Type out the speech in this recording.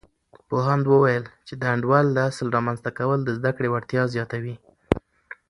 پوهاند وویل، چې د انډول د اصل رامنځته کول د زده کړې وړتیا زیاتوي.